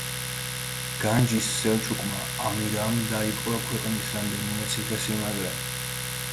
განჯის სელჩუკმა ამირამ დაიპყრო ქვეყნის რამდენიმე ციხესიმაგრე.